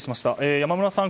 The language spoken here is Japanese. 山村さん